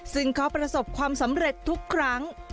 ซึ่งเขาประสบความสำเร็จทุกครั้ง